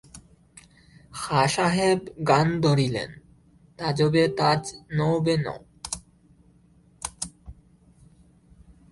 খাঁ সাহেব গান ধরিলেন, তাজবে তাজ নওবে নও।